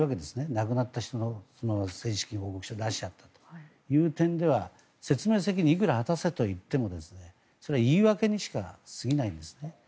亡くなった人の政治資金報告書を出したという点では説明責任をいくら果たせと言ってもそれは言い訳にしか過ぎないんですね。